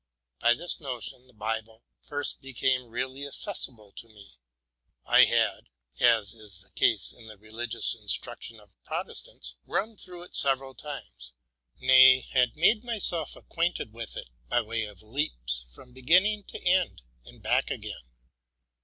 By this notion, the Bible first became really accessible to me. I had, as is the case in the religious in struction of Protestants, run through it several times, —nay, had made myself acquainted with it, by way of leaps from beginning to end and back again.